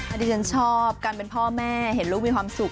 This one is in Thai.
อันนี้ฉันชอบการเป็นพ่อแม่เห็นลูกมีความสุข